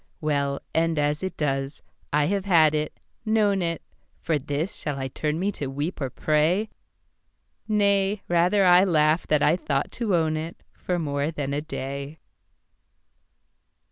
Well, end as it does, I have had it, known it, For this shall I turn me to weep or pray? Nay, rather I laugh that I thought to own itFor more than a day.